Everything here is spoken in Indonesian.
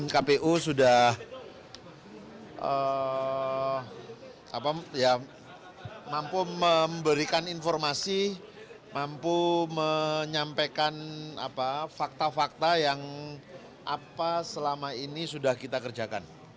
kpu sudah mampu memberikan informasi mampu menyampaikan fakta fakta yang apa selama ini sudah kita kerjakan